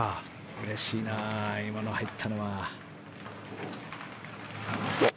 うれしいな今の入ったのは。